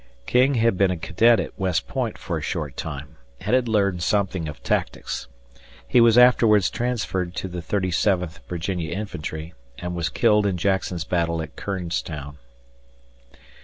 King had been a cadet at West Point for a short time and had learned something of tactics. He was afterwards transferred to the 37th Virginia Infantry and was killed in Jackson's battle at Kernstown.